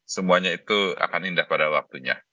semuanya itu akan indah pada waktunya